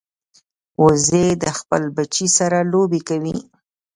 وزې د خپل بچي سره لوبې کوي